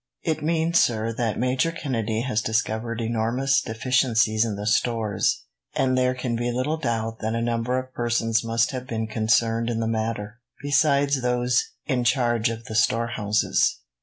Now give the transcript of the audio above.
"It means, sir, that Major Kennedy has discovered enormous deficiencies in the stores, and there can be little doubt that a number of persons must have been concerned in the matter, besides those in charge of the storehouses.